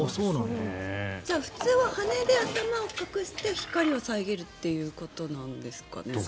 普通は羽で頭を隠して光を遮るってことなんですかね？